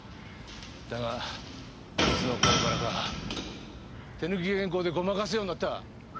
だがいつの頃からか手抜き原稿でごまかすようになった。